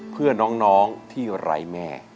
เพื่อน้องที่ไร้แม่